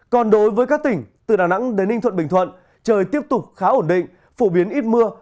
còn đối với các tỉnh từ đà nẵng đến ninh thuận bình thuận trời tiếp tục khá ổn định phổ biến ít mưa